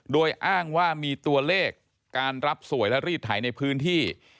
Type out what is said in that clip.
โดยอ้างว่ามีตัวเลขการรับสวยและรีดไถในพื้นที่